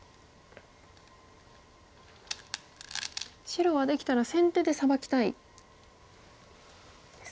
白はできたら先手でサバきたいですね。